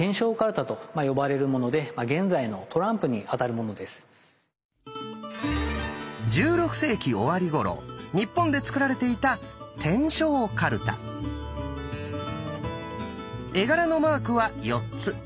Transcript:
こちら１６世紀終わりごろ日本で作られていた絵柄のマークは４つ。